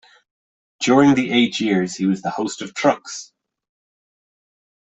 During the eight years he was the host of Trucks!